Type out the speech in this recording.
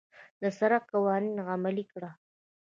د سړک قوانين عملي کړه.